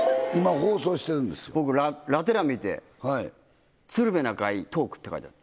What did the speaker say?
僕、ラテ欄見て、鶴瓶・中居トークって書いてあって。